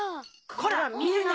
こら見るな！